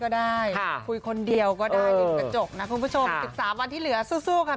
นี่ก็ขอเป็นกำลังใจให้อีก๑๓วันเทือนนะคะ